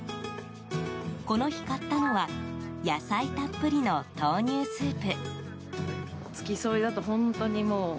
この日買ったのは野菜たっぷりの豆乳スープ。